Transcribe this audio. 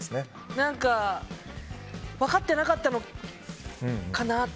何か分かってなかったのかなって。